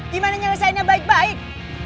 gimana nyelesaikannya baik baik